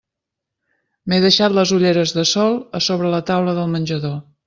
M'he deixat les ulleres de sol a sobre la taula del menjador.